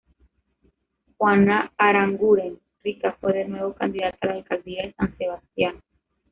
Juana Aranguren Rica fue de nuevo candidata a la alcaldía de San Sebastián.